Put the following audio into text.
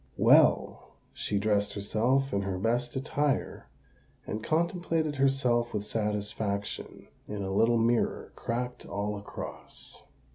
Well—she dressed herself in her best attire, and contemplated herself with satisfaction in a little mirror cracked all across.